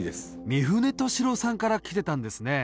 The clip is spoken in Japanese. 三船敏郎さんからきてたんですね